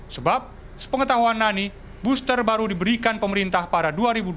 sebab sepengetahuan nani booster baru diberikan pemerintah pada dua ribu dua puluh